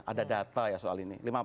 ada data ya soal ini